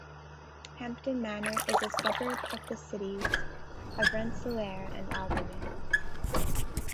Hampton Manor is a suburb of the cities of Rensselaer and Albany.